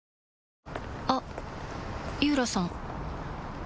あっ井浦さん